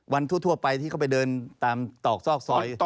วันทั่วไปที่เขาไปเดินต่อซอกซอย